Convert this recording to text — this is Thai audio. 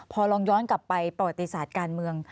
พอลองย้อนกลับไปประวัติศาสตร์การเมือง